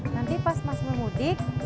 nanti pas mas nur mudik